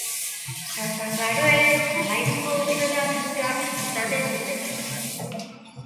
Santa Klarakoek hamahiruko dozena gura izaten dute.